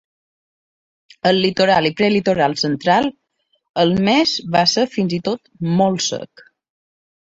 Al Litoral i Prelitoral central el mes va ser fins i tot molt sec.